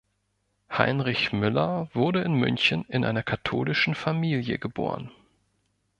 Heinrich Müller wurde in München in einer katholischen Familie geboren.